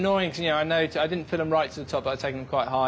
はい。